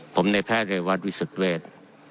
ผมในแพทย์รายวัฒนศ์วิสุทธุเวศธ์